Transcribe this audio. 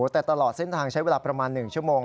แต่ตลอดเส้นทางใช้เวลาประมาณ๑ชั่วโมง